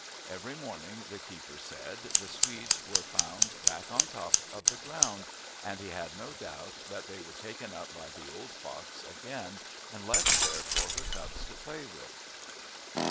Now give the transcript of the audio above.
Every morning, the keeper said, the swedes were found back on top of the ground, and he had no doubt that they were taken up by the old fox again and left there for her cubs to play with.